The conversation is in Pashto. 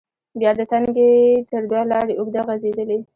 بیا د تنگي تر دوه لارې اوږده غزیدلې،